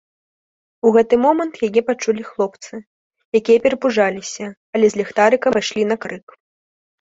У гэты момант яе пачулі хлопцы, якія перапужаліся, але з ліхтарыкам пайшлі на крык.